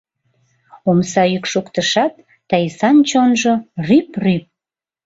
Омса йӱк шоктышат, Таисан чонжо — рӱп-рӱп!